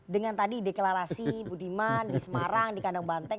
dengan tadi deklarasi budiman di semarang di kandang banteng